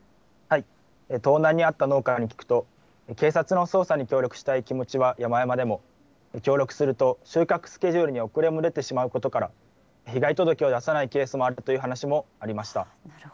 盗難にあった農家に聞くと、警察の捜査に協力したい気持ちはやまやまでも、協力すると収穫スケジュールに遅れも出てしまうことから、被害届を出さないケースもあったという話もありました。